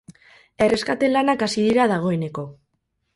Erreskate lanak hasi dira dagoeneko.